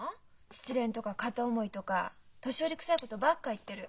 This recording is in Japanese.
失恋とか片思いとか年寄りくさいことばっか言ってる。